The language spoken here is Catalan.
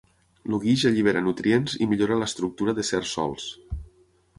El guix allibera nutrients i millora l'estructura de certs sòls.